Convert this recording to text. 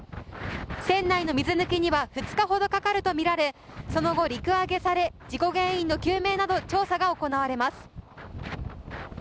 船内の水抜きには２日ほどかかるとみられその後、陸揚げされ事故原因の究明など調査が行われます。